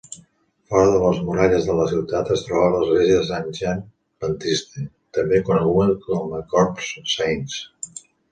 Fora de les muralles de la ciutat, es trobava l'església de Saint Jean Baptiste, també coneguda com a Corps Saints.